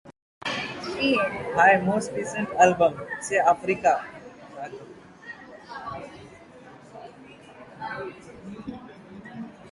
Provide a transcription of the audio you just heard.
His most recent album, Say Africa, was produced by legendary bluesman Taj Mahal.